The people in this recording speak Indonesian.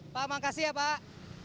pak makasih ya pak